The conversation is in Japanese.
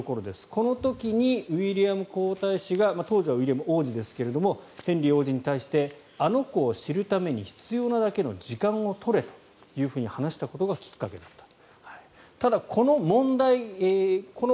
この時にウィリアム皇太子が当時はウィリアム王子ですがヘンリー王子に対してあの子を知るために必要なだけの時間を取れというふうに話したことがきっかけだった。